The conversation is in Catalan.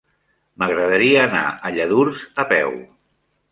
M'agradaria anar a Lladurs a peu.